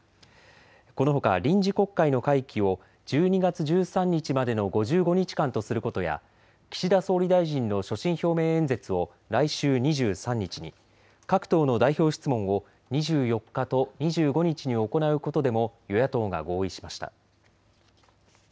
このほか臨時国会の会期を１２月１３日までの５５日間とすることや岸田総理大臣の所信表明演説を来週２３日に、各党の代表質問を２４日と２５日に行うことでも与野党が合意しました。